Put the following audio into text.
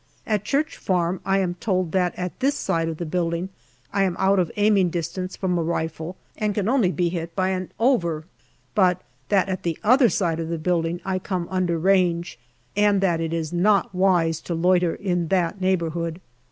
At Church Farm I am told that at this side of the building I am out of aiming distance from a rifle, and can only be hit by an " over," but that at the other side of the building I come under range, and that it is not wise to loiter in that neighbourhood.